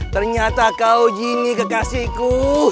ternyata kau jinny kekasihku